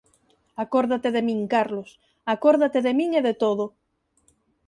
Acórdate de min, Carlos, acórdate de min e de todo.